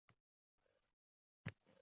O‘zini sabzavot bozoriga urdi